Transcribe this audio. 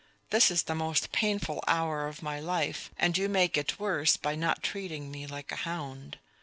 This is the most painful hour of my life, and you make it worse by not treating me like a hound.